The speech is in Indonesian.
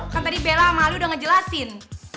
kan tadi bella sama ali udah ngejelasin